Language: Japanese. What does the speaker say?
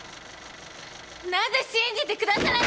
なぜ信じてくださら。